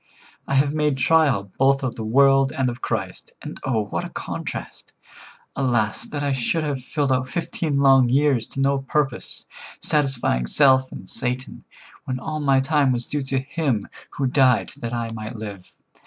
I have made trial both of the world and of Christ, and oh, what a contrast! Alas! that I should have filled out fifteen long years to no purpose, satisfying self and Satan, when all my time was due to Him who died that I might live.